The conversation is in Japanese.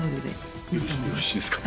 よろしいですか？